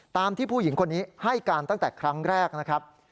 ตามที่ผู้หญิงคนนี้ให้การตั้งแต่ครั้งแรกนะครับ